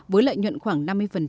với lợi nhuận khoảng năm mươi